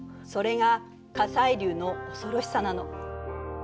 それが火砕流の恐ろしさなの。